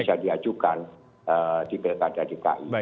itu bisa diajukan di bkt dan di ki